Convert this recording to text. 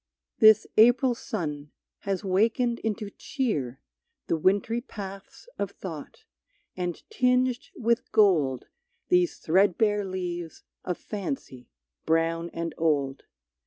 This April sun has wakened into cheer The wintry paths of thought, and tinged with gold These threadbare leaves of fancy brown and old.